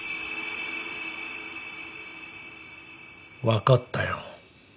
分かったよ